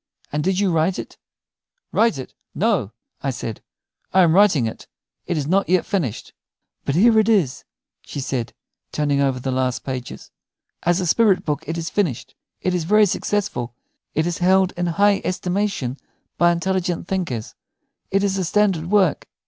And did you write it?" "Write it? No," I said; "I am writing it. It is not yet finished." "But here it is," she said, turning over the last pages. "As a spirit book it is finished. It is very successful; it is held in high estimation by intelligent thinkers; it is a standard work."